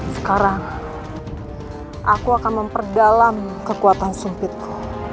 sekarang aku akan memperdalam kekuatan sempitku